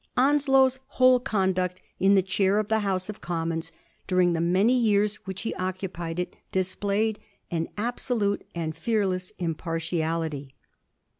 Onslow's whole conduct in the chair of the House of Commons during the many years which he occupied it displayed an absolute and fearless impartiality.